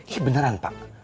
iya beneran pak